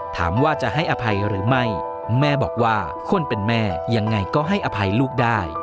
ถามว่าจะให้อภัยหรือไม่แม่บอกว่าคนเป็นแม่ยังไงก็ให้อภัยลูกได้